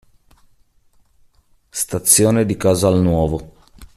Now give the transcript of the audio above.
Stazione di Casalnuovo